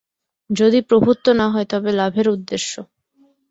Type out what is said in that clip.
যদি প্রভুত্ব না হয়, তবে লাভের উদ্দেশ্য।